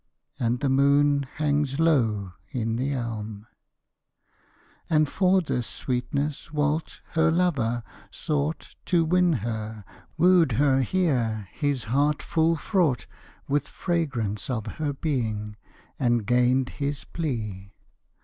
And the moon hangs low in the elm. And for this sweetness Walt, her lover, sought To win her; wooed her here, his heart full fraught With fragrance of her being, and gained his plea.